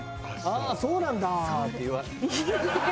「ああそうなんだ」。